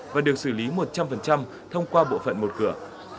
và được xử lý một trăm linh thông qua bộ phận một cửa